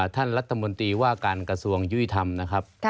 ท่านรัฐมนตรีว่าการกระทรวงยุติธรรมนะครับ